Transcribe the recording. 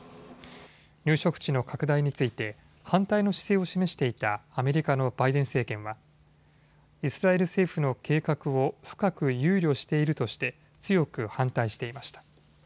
入植地の拡大について反対の姿勢を示していたアメリカのバイデン政権はイスラエル政府の計画を深く憂慮しているとして強く反対していました。